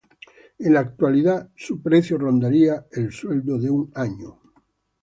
En la actualidad, su precio rondaría el sueldo de un año.